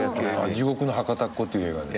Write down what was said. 「地獄の博多っ子」っていう映画でね。